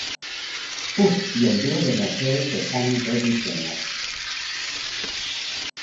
Puck y el dúo de Mercedes de Sammy Davis Jr.